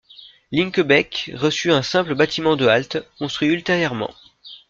Linkebeek reçut un simple bâtiment de halte, construit ultérieurement.